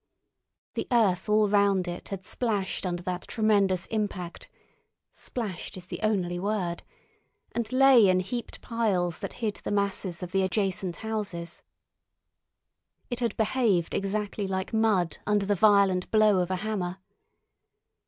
The earth all round it had splashed under that tremendous impact—"splashed" is the only word—and lay in heaped piles that hid the masses of the adjacent houses. It had behaved exactly like mud under the violent blow of a hammer.